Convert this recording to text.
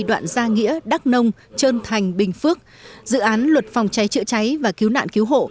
đoạn gia nghĩa đắc nông trơn thành bình phước dự án luật phòng cháy chữa cháy và cứu nạn cứu hộ